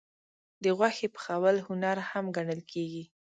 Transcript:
د غوښې پخول هنر هم ګڼل کېږي.